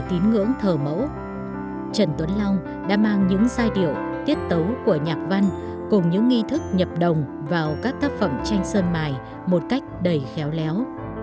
trần tuấn long đã mang những sai điệu tiết tấu của nhạc văn cùng những nghi thức nhập đồng vào các tác phẩm tranh sơn mài một cách đầy khéo léo